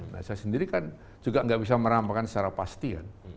saya sendiri kan juga gak bisa meramalkan secara pasti ya